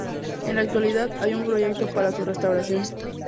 En la actualidad hay un proyecto para su restauración.